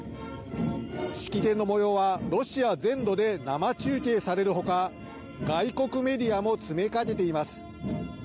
式典のもようはロシア全土で生中継されるほか外国メディアも詰めかけています。